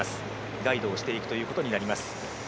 ガイドをしていくということになります。